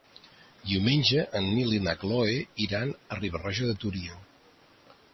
Diumenge en Nil i na Cloè iran a Riba-roja de Túria.